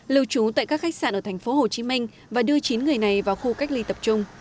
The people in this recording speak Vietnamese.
lưu trú tại các khách sạn ở thành phố hồ chí minh và đưa chín người này vào khu cách ly tập trung